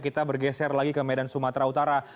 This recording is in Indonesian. kita bergeser lagi ke medan sumatera utara